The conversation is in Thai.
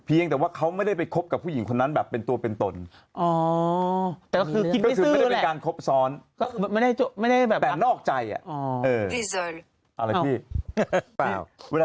แล้วก็ไปหาคนใหม่ถูกไหมคะ